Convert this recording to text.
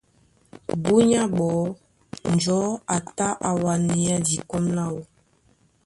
Búnyá ɓɔɔ́ njɔ̌ a tá á wánéá dikɔ́m láō.